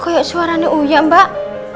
kok kok suaranya uya mbak